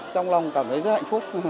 trong lòng cảm thấy rất hạnh phúc